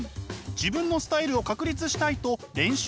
自分のスタイルを確立したい！と練習しています。